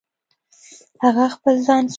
هغه خپل ځان سپین کړ.